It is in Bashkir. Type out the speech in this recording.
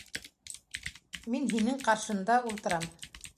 Мин һинең ҡаршында ултырам.